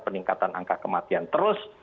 peningkatan angka kematian terus